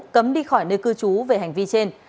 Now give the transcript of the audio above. cấm đi khỏi nơi cư trú về hành vi trên